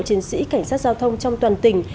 chiến sĩ cảnh sát giao thông trong toàn tỉnh